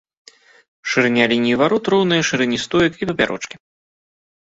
Шырыня лініі варот роўная шырыні стоек і папярочкі.